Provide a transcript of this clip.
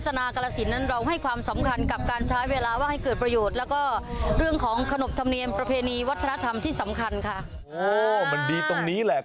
วัฒนากล้าสิตเราไม่ขวามสำคัญกับการใช้เวลาให้เกิดประโยชน์และก็เรื่องของขนบธรรมเนียมประเพณีวัฒนธรรมที่สำคัญค่ะ